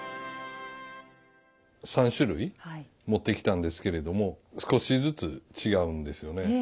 ３種類持ってきたんですけれども少しずつ違うんですよね。